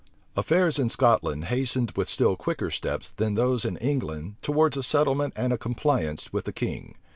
Affairs in Scotland hastened with still quicker steps then those in England towards a settlement and a compliance with the king.